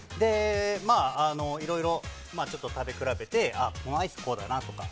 いろいろ食べ比べてこのアイス、こうだなとか。